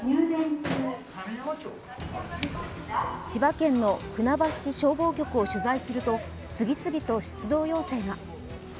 千葉県の船橋市消防局を取材すると次々と出動要請が。